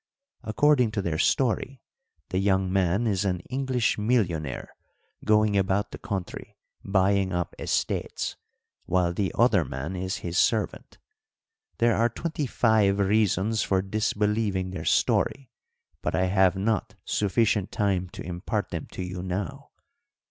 According to their story, the young man is an English millionaire going about the country buying up estates, while the other man is his servant. There are twenty five reasons for disbelieving their story, but I have not sufficient time to impart them to you now.